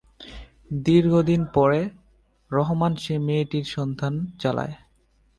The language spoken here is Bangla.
দীর্ঘদিন পরে রহমান সেই মেয়েটির সন্ধান চালায়।